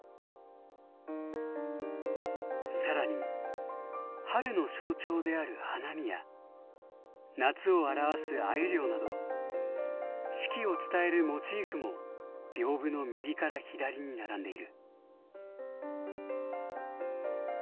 更に春の象徴である花見や夏を表す鮎漁など四季を伝えるモチーフも屏風の右から左に並んでいる。